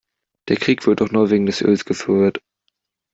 Der Krieg wird doch nur wegen des Öls geführt.